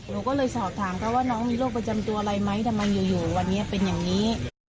หนูก็เลยสอบถามเขาว่าน้องมีโรคประจำตัวอะไรไหมทำไมอยู่วันนี้เป็นอย่างนี้